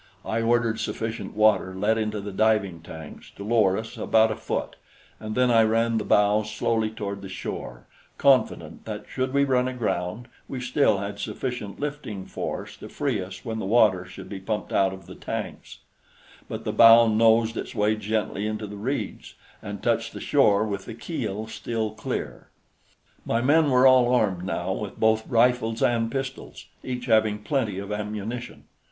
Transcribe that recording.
I ordered sufficient water let into the diving tanks to lower us about a foot, and then I ran the bow slowly toward the shore, confident that should we run aground, we still had sufficient lifting force to free us when the water should be pumped out of the tanks; but the bow nosed its way gently into the reeds and touched the shore with the keel still clear. My men were all armed now with both rifles and pistols, each having plenty of ammunition.